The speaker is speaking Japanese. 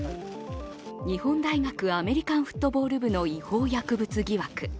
日本大学アメリカンフットボール部の違法薬物疑惑。